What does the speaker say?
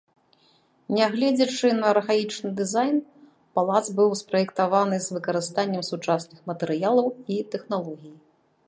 Нягледзячы на архаічны дызайн, палац быў спраектаваны з выкарыстаннем сучасных матэрыялаў і тэхналогій.